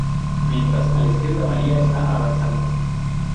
Mientras, a la izquierda, María está avanzando.